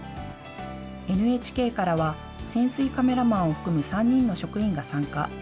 ＮＨＫからは潜水カメラマンを含む３人の職員が参加。